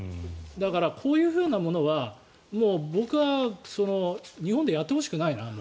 だから、こういうものは僕は日本でやってほしくないな。